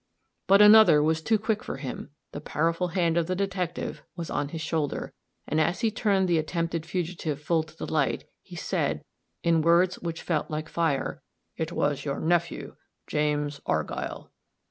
But another was too quick for him; the powerful hand of the detective was on his shoulder, and as he turned the attempted fugitive full to the light, he said, in words which fell like fire, "It was your nephew James Argyll."